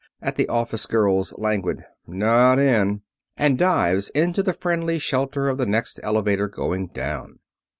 at the office girl's languid "Not in," and dives into the friendly shelter of the next elevator going down.